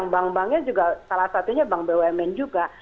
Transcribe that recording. bank banknya juga salah satunya bank bumn juga